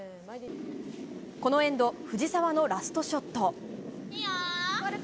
このエンド藤澤のラストショット。